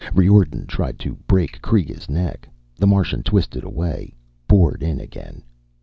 Riordan tried to break Kreega's neck the Martian twisted away, bored in again.